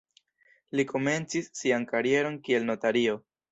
Li komencis sian karieron kiel notario.